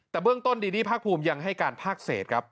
แต่เบื้องต้นดีดี้ภาคภูมิยังให้การภาคเศษครับ